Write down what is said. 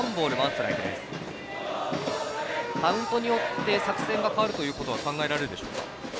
カウントによって作戦が変わるということは考えられるでしょうか。